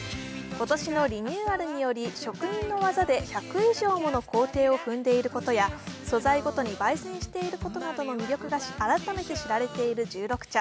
今年のリニューアルにより職人の技で１００以上もの工程を踏んでいることや素材ごとにばい煎していることなどの魅力が改めて知られている十六茶。